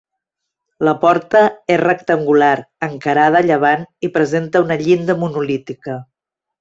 La porta és rectangular, encarada a llevant i presenta una llinda monolítica.